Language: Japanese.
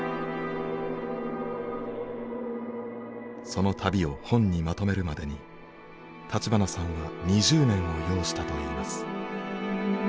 その旅を本にまとめるまでに立花さんは２０年を要したといいます。